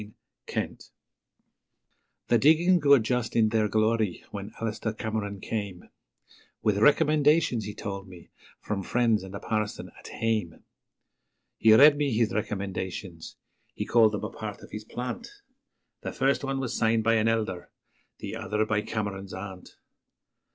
Cameron's Heart The diggings were just in their glory when Alister Cameron came, With recommendations, he told me, from friends and a parson 'at hame'; He read me his recommendations he called them a part of his plant The first one was signed by an Elder, the other by Cameron's aunt.